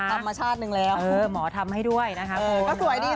ธรรมชาตินึงแล้วหมอทำให้ด้วยนะครับผม